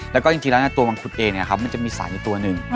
แล้วก็จริงแล้วตัวมังคุดเองมันจะมีสารอยู่ตัวหนึ่ง